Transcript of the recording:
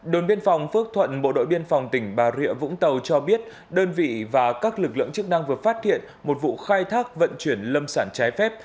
đồn biên phòng phước thuận bộ đội biên phòng tỉnh bà rịa vũng tàu cho biết đơn vị và các lực lượng chức năng vừa phát hiện một vụ khai thác vận chuyển lâm sản trái phép